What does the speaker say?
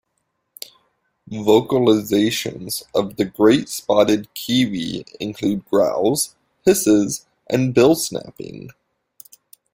Vocalisations of the great spotted kiwi include growls, hisses, and bill snapping.